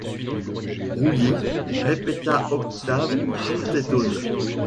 Brouillés!... répéta Octave tout étonné.